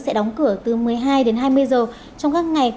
sẽ đóng cửa từ một mươi hai đến hai mươi giờ trong các ngày